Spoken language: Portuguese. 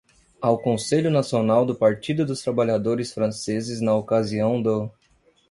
Ao Conselho Nacional do Partido dos Trabalhadores Franceses na Ocasião do